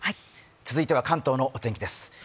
続いては関東のお天気です。